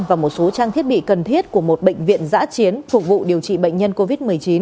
và một số trang thiết bị cần thiết của một bệnh viện giã chiến phục vụ điều trị bệnh nhân covid một mươi chín